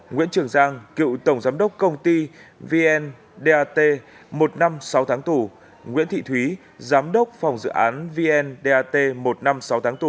nguyễn trường giang cựu tổng giám đốc công ty vndat một năm sáu tháng tù nguyễn thị thúy giám đốc phòng dự án vndat một năm sáu tháng tù